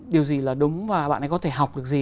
điều gì là đúng và bạn ấy có thể học được gì